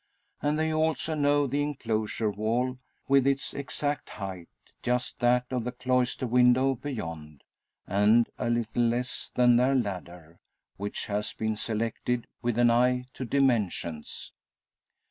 And they also know the enclosure wall, with its exact height, just that of the cloister window beyond, and a little less than their ladder, which has been selected with an eye to dimensions.